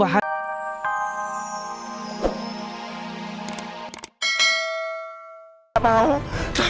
kalau tidak mau